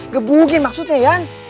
gebukin maksudnya yan